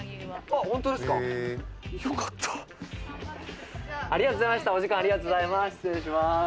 お時間ありがとうございます。